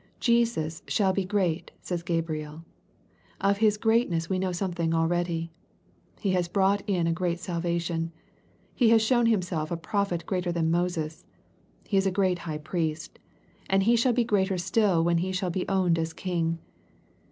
Jesus " shall be great," says Gabriel. Of His great ness we know something already. He has brought in a great salvation. He has shown Himself a Prophet greater than Moses. He is a great High Priest. And He shall be greater still when He shall be owned as a King.